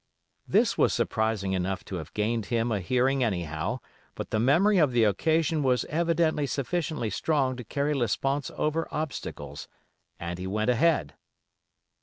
This was surprising enough to have gained him a hearing anyhow, but the memory of the occasion was evidently sufficiently strong to carry Lesponts over obstacles, and he went ahead.